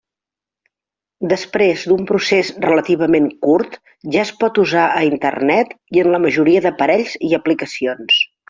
Després un procés relativament curt ja es pot usar a Internet i en la majoria d'aparells i aplicacions.